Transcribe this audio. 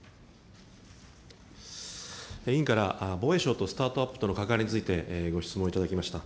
委員から、防衛省とスタートアップとの関わりについて、ご質問いただきました。